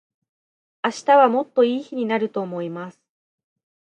明日はもっと良い日になると思います。